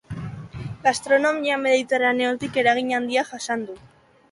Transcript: Gastronomia mediterraneotik eragin handia jasan du.